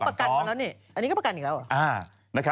แต่เขาก็ประกันมาแล้วนี่อันนี้ก็ประกันอีกแล้ว